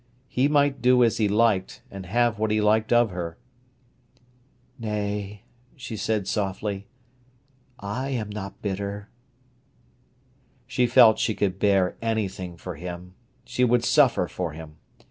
He might do as he liked, and have what he liked of her. "Nay," she said softly, "I am not bitter." She felt she could bear anything for him; she would suffer for him.